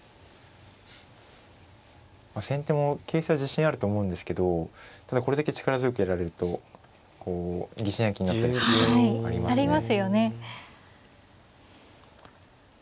先手も形勢は自信あると思うんですけどただこれだけ力強くやられると疑心暗鬼になったりすることもありますね。ありますよね。